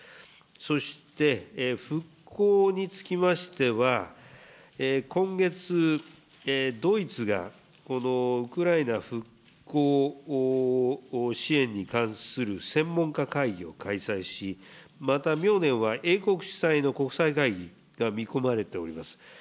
そして復興につきましては、今月、ドイツがウクライナ復興支援に関する専門家会議を開催し、また明年は英国主催の国際会議が見込まれております。